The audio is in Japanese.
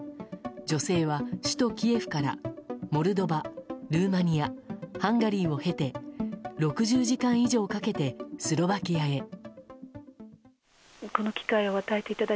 女性は首都キエフからモルドバ、ルーマニアハンガリーを経て６０時間以上かけてスロバキアへ。